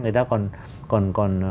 người ta còn